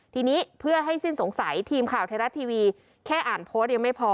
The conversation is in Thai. ทีนี้เพื่อให้สิ้นสงสัยทีมข่าวไทยรัฐทีวีแค่อ่านโพสต์ยังไม่พอ